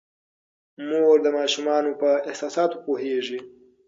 مور د ماشومانو په احساساتو پوهیږي.